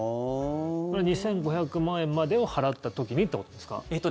２５００万円までを払った時にってことですか？